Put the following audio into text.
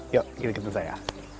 yuk ikutin saya